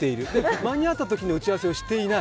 間に合ったときの打ち合わせをしていない。